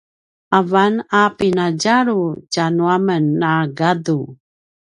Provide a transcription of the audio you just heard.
avan a pinadjulu tjanu a men na gaku